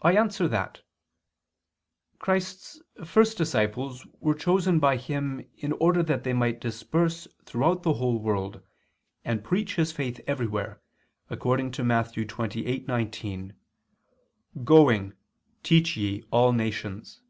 I answer that, Christ's first disciples were chosen by Him in order that they might disperse throughout the whole world, and preach His faith everywhere, according to Matt. 28:19, "Going ... teach ye all nations."